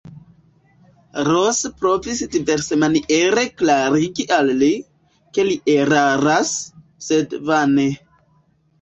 Ros provis diversmaniere klarigi al li, ke li eraras, sed vane.